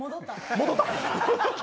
戻った？